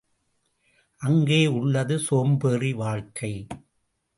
அங்கே உள்ளது சோம்பேறி வாழ்க்கை.